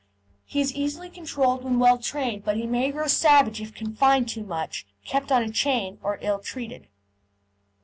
He is easily controlled when well trained, but he may grow savage if confined too much, kept on chain, or ill treated.